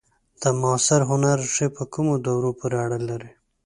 د معاصر هنر ریښې په کومو دورو پورې اړه لري؟